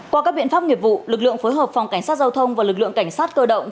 qua các biện pháp nghiệp vụ lực lượng phối hợp phòng cảnh sát giao thông và lực lượng cảnh sát cơ động